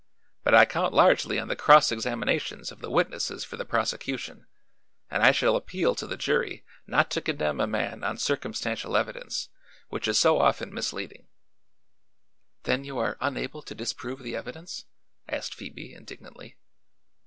But I count largely on the cross examinations of the witnesses for the prosecution, and I shall appeal to the jury not to condemn a man on circumstantial evidence, which is so often misleading." "Then you are unable to disprove the evidence?" asked Phoebe indignantly.